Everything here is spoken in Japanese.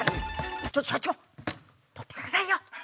ちょっと社長取って下さいよ。え？